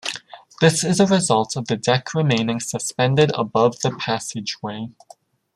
This is a result of the deck remaining suspended above the passageway.